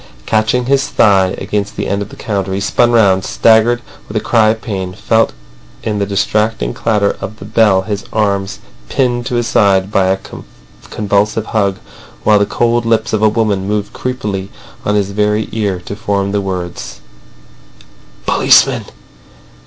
Catching his thigh against the end of the counter, he spun round, staggered with a cry of pain, felt in the distracting clatter of the bell his arms pinned to his side by a convulsive hug, while the cold lips of a woman moved creepily on his very ear to form the words: "Policeman!